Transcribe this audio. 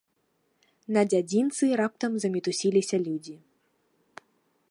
На дзядзінцы раптам замітусіліся людзі.